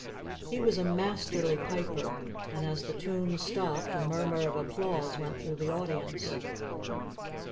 He was a masterly piper, and as the tune stopped a murmur of applause went through the audience.